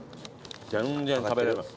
全然食べれます。